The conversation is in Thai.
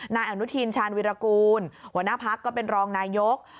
นายอนุทินชาญวิรากูลหัวหน้าพักก็เป็นรองนายก